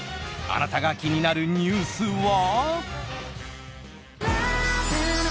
あなたが気になるニュースは？